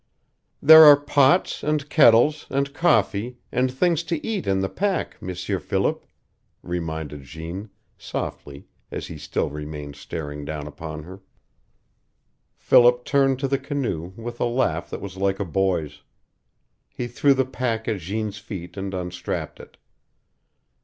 "There are pots and kettles and coffee and things to eat in the pack, M'sieur Philip," reminded Jeanne, softly, as he still remained staring down upon her. Philip turned to the canoe, with a laugh that was like a boy's. He threw the pack at Jeanne's feet and unstrapped it.